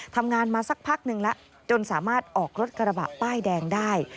ทำงานมาสักพักหนึ่งแล้วจนสามารถออกรถกระบะป้ายแดงได้